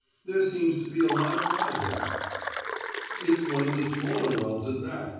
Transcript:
"There seems to be a lot of oil there." "It's one of the smaller wells at that.